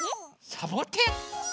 サボテン？